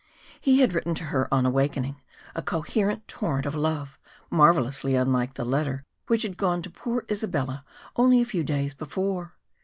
He had written to her, on awaking, a coherent torrent of love, marvellously unlike the letter which had gone to poor Isabella only a few days before.